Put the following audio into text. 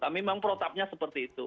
memang protapnya seperti itu